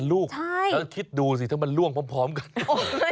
แล้วคิดดูสิถ้ามันล่วงพร้อมกัน